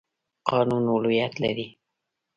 قانون اولیت لري.